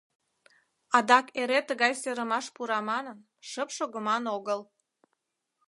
Адак эре тыгай серымаш пура манын, шып шогыман огыл.